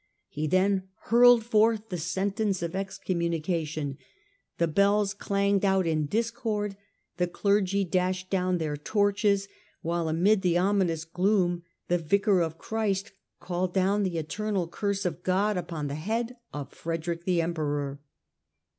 He then hurled forth the sentence of excommunication : the bells clanged out in discord, the clergy dashed down their torches, while amid the ominous gloom the Vicar of Christ called down the eternal curses of God upon the head of Frederick the Emperor.